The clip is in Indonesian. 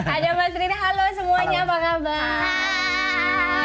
ada mas rina halo semuanya apa kabar